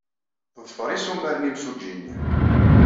Teḍfer issumar n yimsujji-nni.